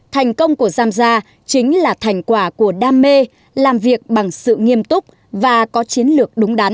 thành công của giam gia chính là thành quả của đam mê làm việc bằng sự nghiêm túc và có chiến lược đúng đắn